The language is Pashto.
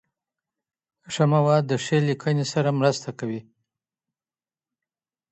ښه مواد د ښې لیکني سره مرسته کوي.